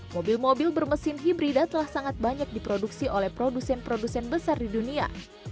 mobil mobil bermesin hibrida telah sangat banyak diproduksi oleh produsen produsen besar di dunia